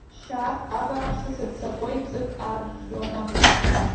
Шьааб, абааԥсы, сыццакуеит, ӡык ааршланы.